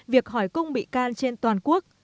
việc hỏi cung bị can trên toàn quốc